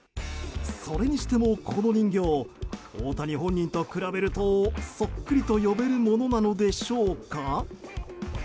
それにしても、この人形大谷本人と比べるとそっくりと呼べるものなのでしょうか。